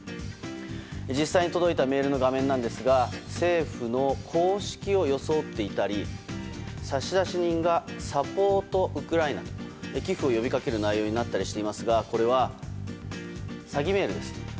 実際に届いたメールの画面なんですが政府の公式を装っていたり差出人がサポートウクライナと寄付を呼びかける内容になっていたりしますがこれは詐欺メールです。